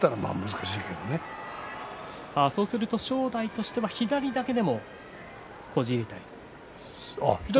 そうすると正代としては左をこじ入れたい。